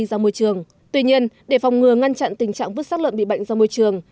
ra môi trường tuy nhiên để phòng ngừa ngăn chặn tình trạng vứt sát lợn bị bệnh ra môi trường